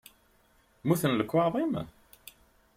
Mmuten lekwaɣeḍ-im?